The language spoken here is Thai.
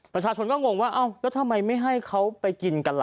ประชาชนก็งงว่าเอ้าแล้วทำไมไม่ให้เขาไปกินกันล่ะ